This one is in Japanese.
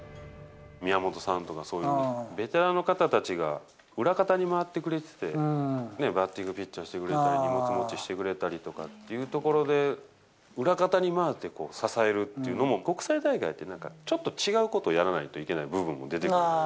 宮本さんとか、そういうベテランの方たちが裏方に回ってくれてて、バッティングピッチャーしてくれたり、荷物持ちしてくれたりとかっていうところで、裏方に回って支えるっていうのも、国際大会って、なんかちょっと違うことをやらないといけない部分も出てくるから。